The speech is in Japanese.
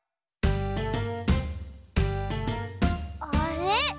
あれ？